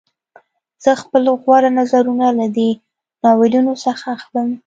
زه خپل غوره نظرونه له دې ناولونو څخه اخلم